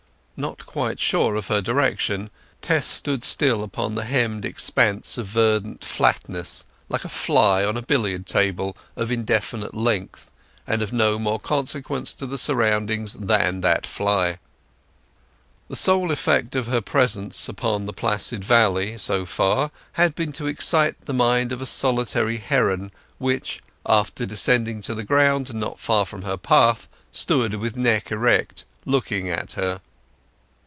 Not quite sure of her direction, Tess stood still upon the hemmed expanse of verdant flatness, like a fly on a billiard table of indefinite length, and of no more consequence to the surroundings than that fly. The sole effect of her presence upon the placid valley so far had been to excite the mind of a solitary heron, which, after descending to the ground not far from her path, stood with neck erect, looking at her.